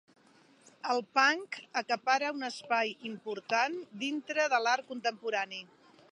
El punk acapara un espai important dintre de l'art contemporani